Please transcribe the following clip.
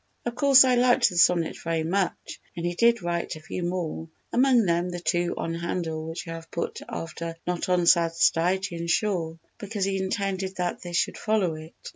Of course I liked the sonnet very much and he did write "a few more"—among them the two on Handel which I have put after "Not on sad Stygian shore" because he intended that they should follow it.